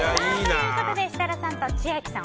設楽さんと千秋さん